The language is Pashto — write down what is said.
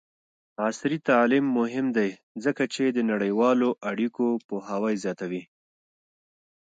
عصري تعلیم مهم دی ځکه چې د نړیوالو اړیکو پوهاوی زیاتوي.